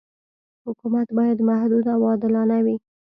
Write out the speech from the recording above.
حکومت باید محدود او عادلانه وي.